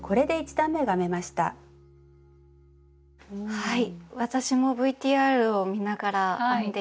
はい。